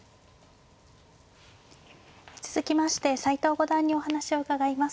続きまして斎藤五段にお話を伺います。